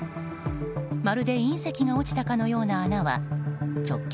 まるで隕石が落ちたかのような穴は直径